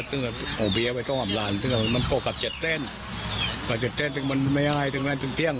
ถึงก็มันถุ่มป่อนถึงครับหมอเมียเดิมเหล่าพันธุ์นั้นเนี่ย